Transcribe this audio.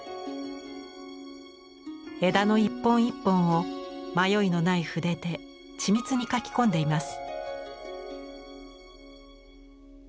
枝の一本一本を迷いのない筆で緻密に描き込んでいます。